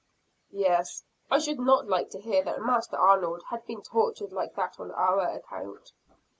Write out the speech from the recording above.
"Yes I should not like to hear that Master Arnold had been tortured like that on our account."